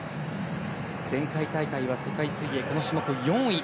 前回大会は世界水泳この種目４位。